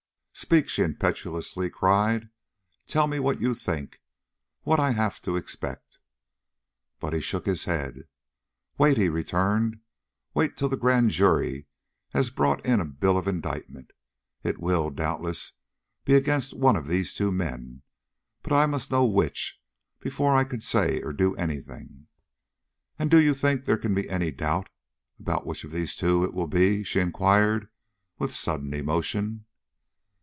"Speak," she impetuously cried. "Tell me what you think; what I have to expect." But he shook his head. "Wait," he returned; "wait till the Grand Jury has brought in a bill of indictment. It will, doubtless, be against one of these two men; but I must know which, before I can say or do any thing." "And do you think there can be any doubt about which of these two it will be?" she inquired, with sudden emotion.